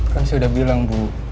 kan saya udah bilang bu